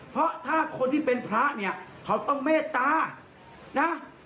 เพราะถ้าคนที่เป็นพระเนี่ยเขาต้องเมตตานะ